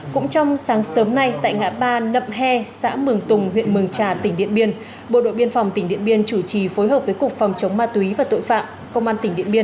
cũng trong sáng sớm nay tại ngã ba nậm he xã mường tùng huyện mường trà tỉnh điện biên bộ đội biên phòng tỉnh điện biên chủ trì phối hợp với cục phòng chống ma túy và tội phạm công an tỉnh điện biên